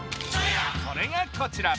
それがこちら。